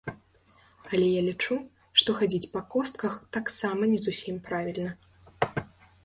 Але я лічу, што хадзіць па костках таксама не зусім правільна.